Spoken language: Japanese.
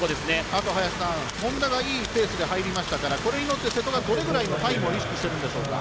あと、本多がいいペースで入りましたからこれにより、瀬戸がどういうタイムを意識してるでしょうか。